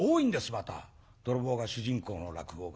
また泥棒が主人公の落語が。